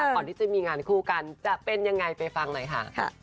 ก่อนที่จะมีงานคู่กันจะเป็นยังไงไปฟังหน่อยค่ะ